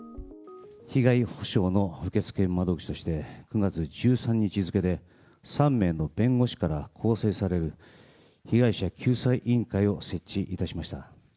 被害補償の受け付け窓口として、９月１３日付で３名の弁護士から構成される被害者救済委員会を設置いたしました。